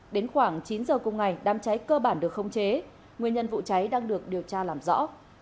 đến khoảng chín giờ cùng ngày đám cháy cơ bản được không chế nguyên nhân vụ cháy đang được điều tra làm rõ